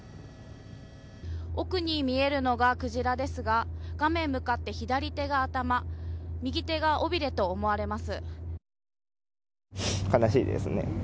奥に見えるのがクジラですが画面向かって左手が頭右手が尾びれと思われます。